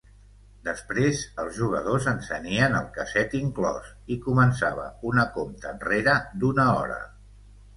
Després, els jugadors encenien el casset inclòs i començava una compta enrere d'una hora.